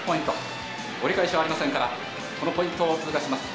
折り返しはありませんからこのポイントを通過します